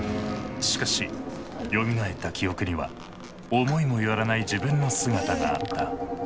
しかしよみがえった記憶には思いも寄らない自分の姿があった。